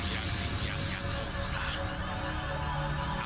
yang yang yang yang selesa